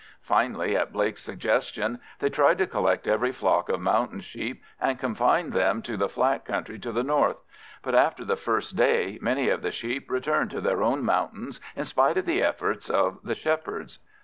Finally, at Blake's suggestion, they tried to collect every flock of mountain sheep and confine them to the flat country to the north, but after the first day many of the sheep returned to their own mountains in spite of the efforts of the shepherds.